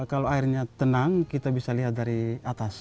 kalau airnya tenang kita bisa lihat dari atas